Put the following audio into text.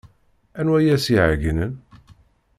Anwa ay as-iɛeyynen?